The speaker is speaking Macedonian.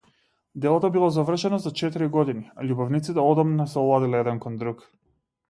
Делото било завршено за четири години, а љубовниците одамна се оладиле еден кон друг.